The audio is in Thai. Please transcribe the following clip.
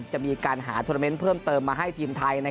จะมีการหาโทรเมนต์เพิ่มเติมมาให้ทีมไทย